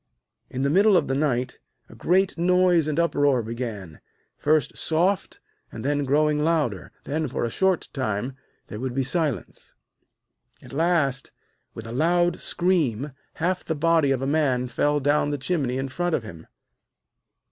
In the middle of the night a great noise and uproar began, first soft, and then growing louder; then for a short time there would be silence. At last, with a loud scream, half the body of a man fell down the chimney in front of him.